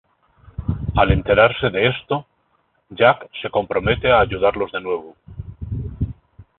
Al enterarse de esto, Jack se compromete a ayudarlos de nuevo.